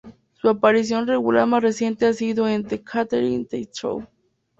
Su aparición regular más reciente ha sido en "The Catherine Tate Show".